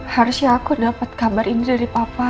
harusnya aku dapat kabar ini dari papa